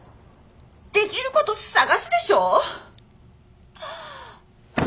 できること探すでしょ？